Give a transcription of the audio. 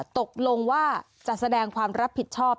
ตกลงว่าจะแสดงความรับผิดชอบ